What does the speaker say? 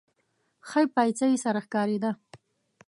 ښۍ پايڅه يې سره ښکارېده.